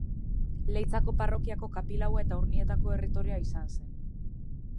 Leitzako parrokiako kapilaua eta Urnietako erretorea izan zen.